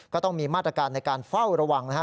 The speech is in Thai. ก็ต้องมีมาตรการในการเฝ้าระวังนะฮะ